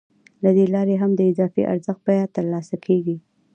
له دې لارې هم د اضافي ارزښت بیه ترلاسه کېږي